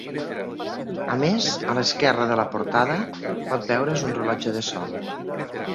A més, a l'esquerra de la portada pot veure's un rellotge de sol.